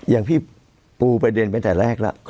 อย่างพี่ปูประเด็นไปแต่แรกแล้ว